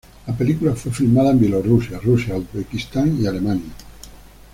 La película fue filmada en Bielorrusia, Rusia, Uzbekistán y Alemania.